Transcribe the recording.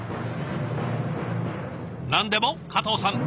何でも加藤さん